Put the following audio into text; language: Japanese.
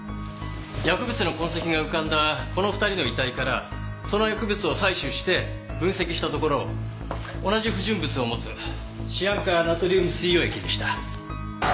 薬物の痕跡が浮かんだこの２人の遺体からその薬物を採取して分析したところ同じ不純物を持つシアン化ナトリウム水溶液でした。